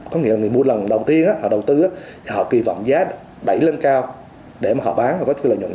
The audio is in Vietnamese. có nghĩa là người mua lần đầu tiên họ đầu tư họ kỳ vọng giá đẩy lên cao để mà họ bán và có cái lợi nhuận